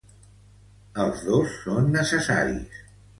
Els dos són necessaris.